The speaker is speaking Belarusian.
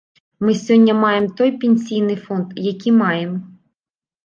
Мы сёння маем той пенсійны фонд, які маем.